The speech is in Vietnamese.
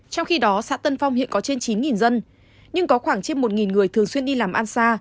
trong khi đó xã tân phong hiện có trên chín dân nhưng có khoảng trên một người thường xuyên đi làm an xa